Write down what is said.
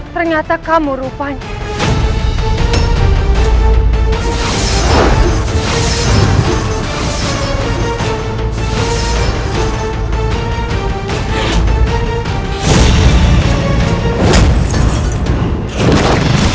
ternyata kamu rupanya